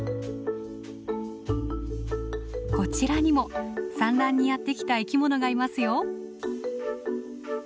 こちらにも産卵にやって来た生きものがいますよ。